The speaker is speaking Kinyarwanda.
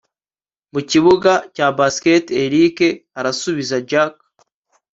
mukibuga cya basket, erick arasubiza jack